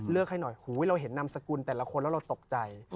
ให้หน่อยหูเราเห็นนามสกุลแต่ละคนแล้วเราตกใจ